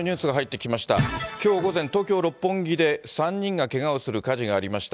きょう午前、東京・六本木で３人がけがをする火事がありました。